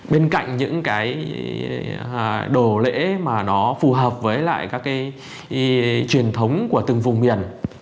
bên cạnh những cái đồ lễ mà nó phù hợp với lại các cái truyền thống của từng vùng miền